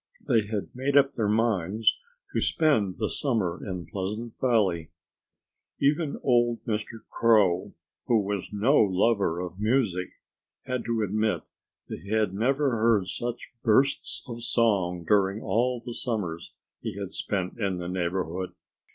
They had made up their minds to spend the summer in Pleasant Valley. Even old Mr. Crow, who was no lover of music, had to admit that he had never heard such bursts of song during all the summers he had spent in the neighborhood.